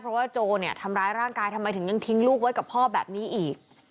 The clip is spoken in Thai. เพราะว่าโจเนี่ยทำร้ายร่างกายทำไมถึงยังทิ้งลูกไว้กับพ่อแบบนี้อีก